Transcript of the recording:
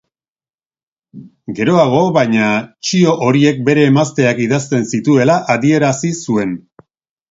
Geroago, baina, txio horiek bere emazteak idazten zituela adierazi zuen.